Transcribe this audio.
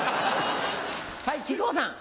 はい木久扇さん。